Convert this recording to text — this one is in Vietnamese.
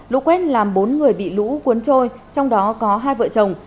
lũ quét làm bốn người bị lũ cuốn trôi trong đó có hai vợ chồng